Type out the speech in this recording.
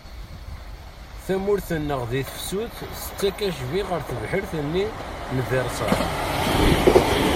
Tamurt-nneɣ di tefsut tettak acbi ɣer tebḥirt-nni n Virṣay.